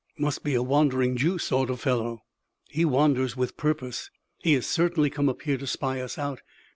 "Must be a Wandering Jew sort of a fellow." "He wanders with purpose. He has certainly come up here to spy us out."